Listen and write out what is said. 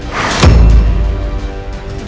guru aku ingin mencari raih subang lara